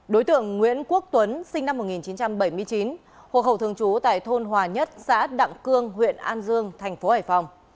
đối tượng nguyễn quốc tuấn sinh năm một nghìn chín trăm bảy mươi chín hộ khẩu thường trú tại thôn hòa nhất xã đặng cương huyện an dương thành phố hải phòng